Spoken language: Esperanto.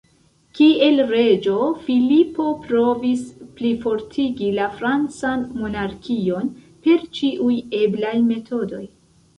Kiel reĝo, Filipo provis plifortigi la francan monarkion per ĉiuj eblaj metodoj.